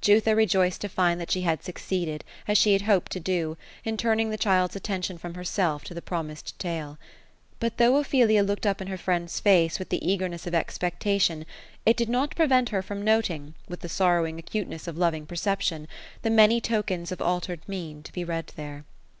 Jutha rejoiced to find that she had succeeded — as she had hoped to do— in turning the child's attention from herself to the promised tale. But though Ophelia looked up in her friend's face, with the eagerness of expectation, it did not prevent her from noting, with the sorrowing acuteness of loving perception, the maoy tokens of altered mien, to be read there.